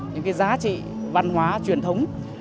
những giá trị văn hóa truyền thống